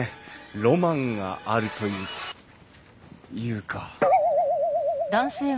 ロマンがあるというか。